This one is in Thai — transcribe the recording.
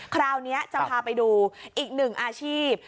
คราวนี้จะพาไปดูอีกหนึ่งอาชีพ